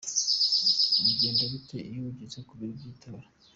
Bigenda gute iyo ugeze ku biro by’itora ?